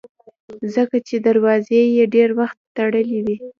ځکه چې دروازې یې ډېر وخت تړلې وي.